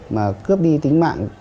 mà cướp đi tính mạng